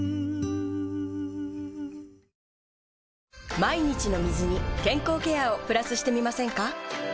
毎日の水に健康ケアをプラスしてみませんか？